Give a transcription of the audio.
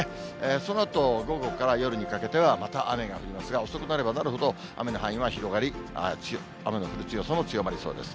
そのあと、午後から夜にかけてはまた雨が降りますが、遅くなればなるほど、雨の範囲は広がり、雨の降る強さも強まりそうです。